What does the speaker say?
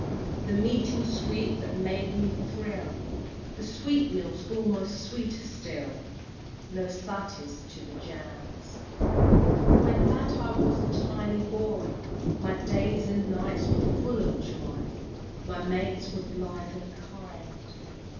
The meeting sweet that made me thrill, The sweetmeats, almost sweeter still, No 'satis' to the 'jams'! XVII. When that I was a tiny boy My days and nights were full of joy, My mates were blithe and kind!